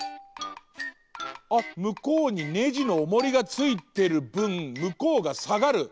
あっむこうにネジのおもりがついてるぶんむこうがさがる！